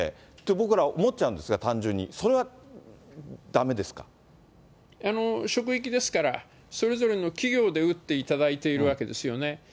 僕ら思っちゃうんで、職域ですから、それぞれの企業で打っていただいているわけですよね。